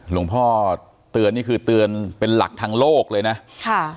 หลวงพ่อเตือนนี่คือเตือนเป็นหลักทางโลกเลยนะค่ะ